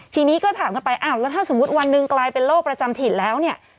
ทีนี้ก็ถามกันไปอ้าวแล้วถ้าสมมุติวันหนึ่งกลายเป็นโรคประจำถิ่นแล้วเนี่ย